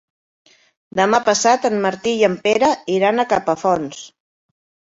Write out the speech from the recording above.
Demà passat en Martí i en Pere iran a Capafonts.